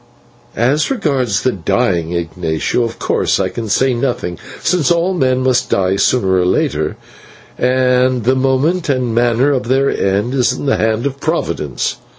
"As regards the dying, Ignatio, of course I can say nothing, since all men must die sooner or later, and the moment and manner of their end is in the hand of Providence.